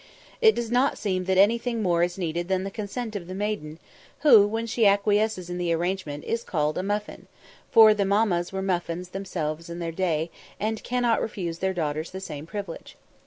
It does not seem that anything more is needed than the consent of the maiden, who, when she acquiesces in the arrangement, is called a "muffin" for the mammas were "muffins" themselves in their day, and cannot refuse their daughters the same privilege.